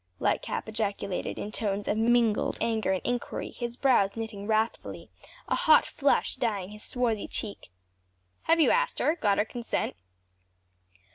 Lightcap ejaculated in tones of mingled anger and inquiry, his brows knitting wrathfully, a hot flush dyeing his swarthy cheek. "Have you asked her? got her consent?"